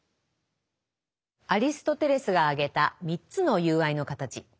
アリストテレスが挙げた３つの友愛の形。